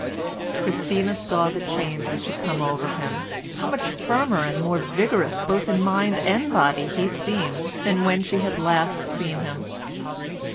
Christina saw the change which had come over him—how much firmer and more vigorous both in mind and body he seemed than when she had last seen him.